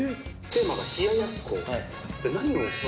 テーマが冷ややっこ。